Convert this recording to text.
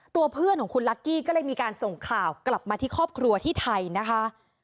ตัวเพื่อนของคุณลักกี้ก็เลยมีการส่งข่าวกลับมาที่ครอบครัวที่ไทยนะคะ